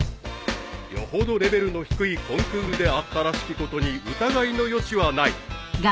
［よほどレベルの低いコンクールであったらしきことに疑いの余地はない］